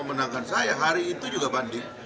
pn memenangkan saya hari itu juga banding